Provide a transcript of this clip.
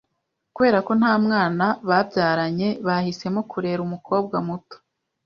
Kubera ko nta mwana babyaranye, bahisemo kurera umukobwa muto